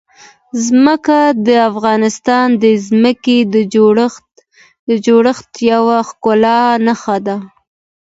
ځمکه د افغانستان د ځمکې د جوړښت یوه ښکاره نښه ده.